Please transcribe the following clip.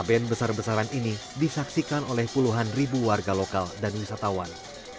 ben besar besaran ini disaksikan oleh puluhan ribu warga lokal dan wisatawan